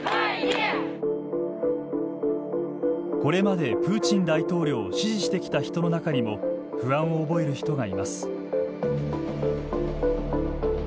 これまでプーチン大統領を支持してきた人の中にも不安を覚える人がいます。